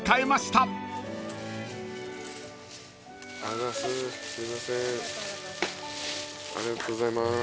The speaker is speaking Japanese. ありがとうございます。